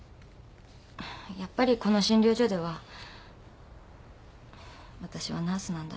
やっぱりこの診療所ではわたしはナースなんだなって。